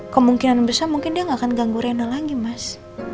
kemungkinan besar mungkin dia nggak akan ganggu rena lagi mas